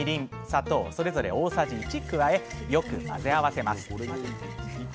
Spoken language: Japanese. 砂糖それぞれ大さじ１加えよく混ぜ合わせますえ？